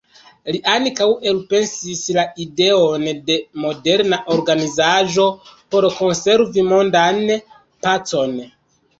Li ankaŭ elpensis la ideon de moderna organizaĵo por konservi mondan pacon.